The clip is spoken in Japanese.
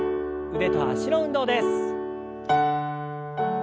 腕と脚の運動です。